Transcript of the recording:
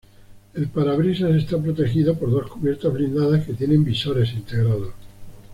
El parabrisas está protegido por dos cubiertas blindadas que tienen visores integrados.